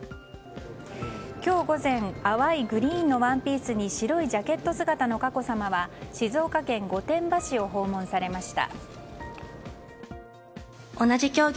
今日午前淡いグリーンのワンピースに白いジャケット姿の佳子さまは静岡県御殿場市を訪問されました。